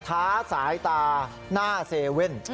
ท้าสายตาหน้าเซเว่น